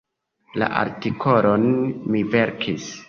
La artikolon mi verkis.